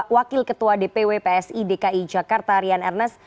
wakil ketua dpw psi dki jakarta rian ernest